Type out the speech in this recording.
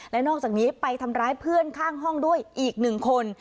และนอกจากนี้ไปทำร้ายเพื่อนข้างห้องด้วยอีกหนึ่งคน